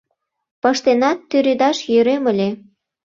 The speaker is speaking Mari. Пыштенат тӱредаш йӧрем ыле.